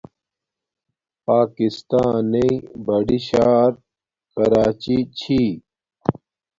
پاکستایݵ بڑی شار کراچی چھی